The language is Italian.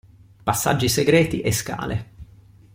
Passaggi segreti e scale.